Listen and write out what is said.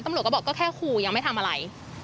ตำรวจก็บอกก็แค่ขู่ยังไม่ทำอะไร